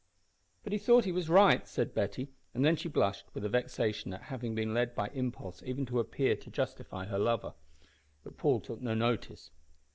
"But he thought he was right" said Betty; and then she blushed with vexation at having been led by impulse even to appear to justify her lover. But Paul took no notice.